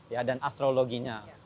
ya dan astrologinya